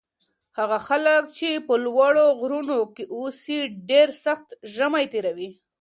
هغه خلک چې په لوړو غرونو کې اوسي ډېر سخت ژمی تېروي.